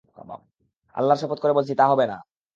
আল্লাহর শপথ করে বলছি, তা হবে না।